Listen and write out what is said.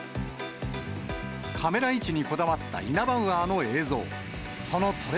カメラ位置にこだわったイナバウアーの映像。